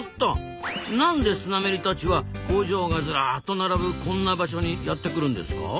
なんでスナメリたちは工場がずらっと並ぶこんな場所にやってくるんですか？